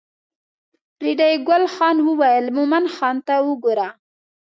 ریډي ګل خان وویل مومن خان ته وګوره.